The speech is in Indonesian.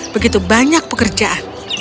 begitu banyak pekerjaan